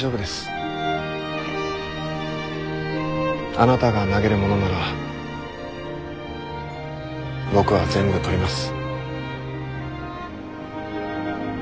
あなたが投げるものなら僕は全部取ります。